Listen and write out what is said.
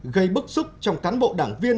gây bức xúc trong cán bộ đảng viên